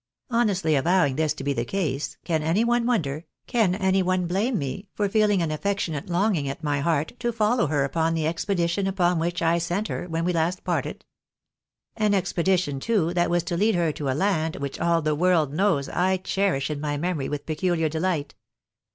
Honestly avowing this to be the case, can any one wonder, can any one blame me, for feehng an afifec A THE BARNAb yS W ATSTEFICS tionate longing at my heart to follow her upon the expeditioB upon which I sent her when last we parted'? An expedition, too, that was to lead her to a land which all the world knows I cherish in my memory with peculiar delight